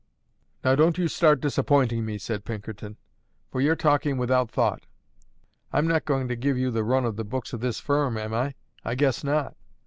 "Now don't you start disappointing me," said Pinkerton; "for you're talking without thought. I'm not going to give you the run of the books of this firm, am I? I guess not.